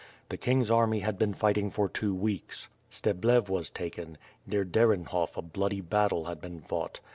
The king's army had been fighting for two weeks. Steblev was taken; near Derenhov a bloody battle had been fought.